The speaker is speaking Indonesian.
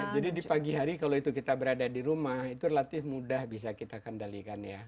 jadi di pagi hari kalau itu kita berada di rumah itu relatif mudah bisa kita kendalikan ya